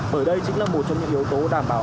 bởi đây chính là một trong những yếu tố đảm bảo